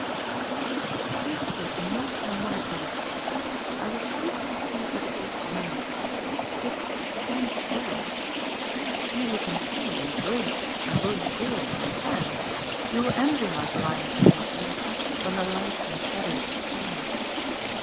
This is not a melancholy story. I refuse to be told that it is melancholy. It " ends well." You who can see, and won't, and won't hear, and can, you will envy my blind child yet, when the lights and shadows change.